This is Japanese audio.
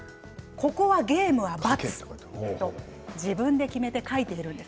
ゲームは×と自分で決めて書いているんです。